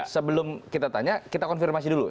sebelum kita tanya kita konfirmasi dulu